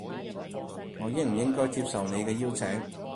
我應唔應該接受你嘅邀請